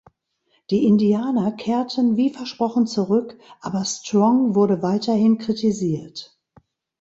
Die Indianer kehrten wie versprochen zurück, aber Strong wurde weiterhin kritisiert.